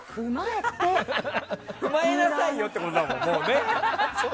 踏まえなさいよってことだもんね。